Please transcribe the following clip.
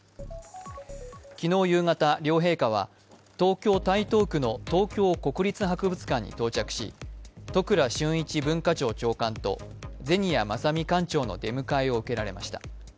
昨日夕方、両陛下は東京・台東区の東京国立博物館に到着し、都倉俊一文化庁長官と銭谷真美館長の出迎えを受けられました。